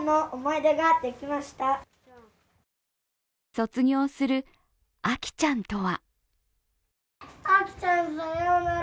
卒業するあきちゃんとは？